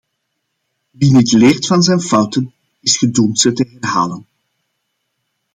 Wie niet leert van zijn fouten, is gedoemd ze te herhalen.